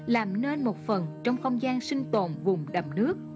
làm nên một phần trong không gian sinh tồn vùng đầm nước